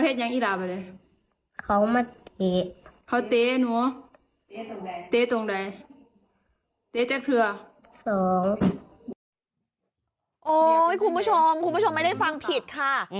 โอ้คุณผู้ชมไม่ได้ฟังผิดค่ะ